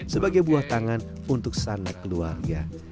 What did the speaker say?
sebagai buah tangan untuk sana keluarga